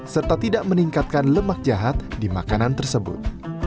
serta tidak meningkatkan lemak jahat di makanan tersebut